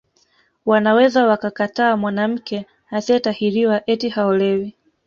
Wanaweza wakakataa mwanamke asiyetahiriwa eti haolewi